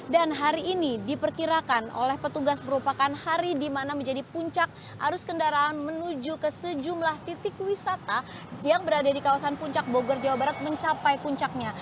dan hari ini diperkirakan oleh petugas merupakan hari di mana menjadi puncak arus kendaraan menuju ke sejumlah titik wisata yang berada di kawasan puncak bogor jawa barat mencapai puncaknya